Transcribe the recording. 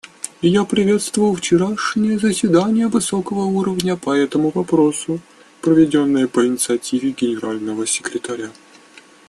Я приветствовал вчерашнее заседание высокого уровня по этому вопросу, проведенное по инициативе Генерального секретаря.